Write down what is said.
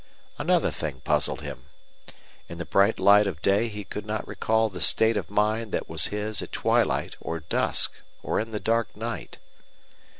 Another thing puzzled him. In the bright light of day he could not recall the state of mind that was his at twilight or dusk or in the dark night.